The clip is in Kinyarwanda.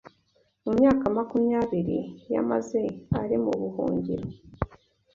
Mu myaka makumyabiri yamaze ari mu buhungiro